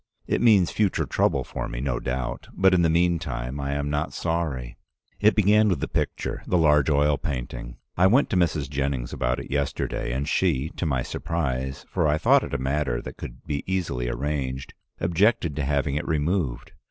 It means future trouble for me, no doubt, but in the meantime I am not sorry. It began with the picture — the large oil painting. I went to Mrs. Jennings about it yesterday, and she, to my surprise — for I thought it a matter that could be easily arranged — objected to having it removed.